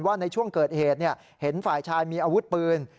ในช่วงเกิดเหตุเห็นฝ่ายชายมีอาวุธปืน